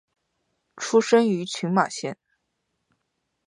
出身于群马县。